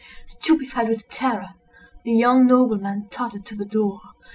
Stupefied with terror, the young nobleman tottered to the door.